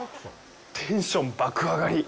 テンション爆上がり。